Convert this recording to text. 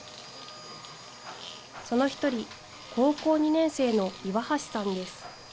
その一人、高校２年生の岩橋さんです。